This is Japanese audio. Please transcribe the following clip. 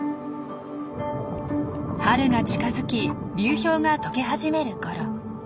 春が近づき流氷がとけ始めるころ。